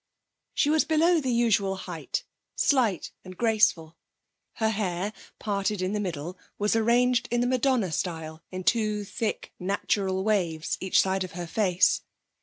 She was below the usual height, slight and graceful. Her hair, parted in the middle, was arranged in the Madonna style in two thick natural waves each side of her face.